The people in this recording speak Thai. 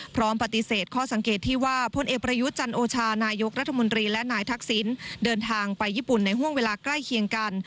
พร้อมปฏิเสธข้อสังเกตที่ว่าพลเอกประยุทธ์จันโอชานายกรัฐมนตรีและนายทักษิณเดินทางไปญี่ปุ่นในห่วงเวลาใกล้เคียงกัน